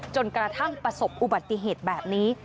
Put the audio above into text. กระทั่งประสบอุบัติเหตุแบบนี้